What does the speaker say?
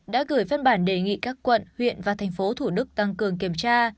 đã gửi phân bản đề nghị các quận huyện và thành phố thủ đức tăng cường kiểm tra